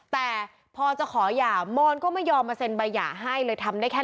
แต่พอจะขอหย่ามอนก็ไม่ยอมมาเซ็นใบหย่าให้เลยทำได้แค่